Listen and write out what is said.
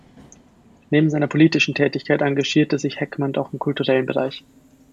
Neben seiner politischen Tätigkeit engagierte sich Heckmann auch im kulturellen Bereich.